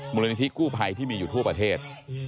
มูลนิธิกู้ภัยที่มีอยู่ทั่วประเทศ